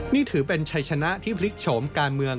นี่ถือเป็นชัยชนะที่พลิกโฉมการเมือง